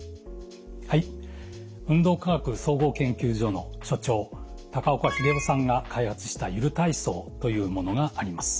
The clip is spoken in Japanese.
はい運動科学総合研究所の所長高岡英夫さんが開発したゆる体操というものがあります。